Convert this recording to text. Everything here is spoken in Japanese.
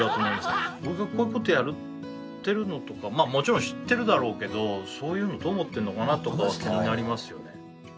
俺がこういう事やってるのとかまあもちろん知ってるだろうけどそういうのどう思ってるのかな？とかは気になりますよね。